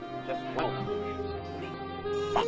あっ。